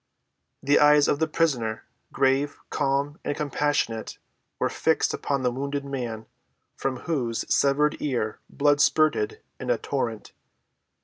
The eyes of the prisoner, grave, calm, and compassionate, were fixed upon the wounded man, from whose severed ear blood spurted in a torrent.